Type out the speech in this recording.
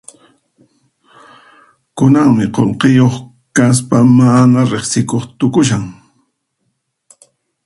Kunanmi qullqiyuq kaspa mana riqsikuq tukushan.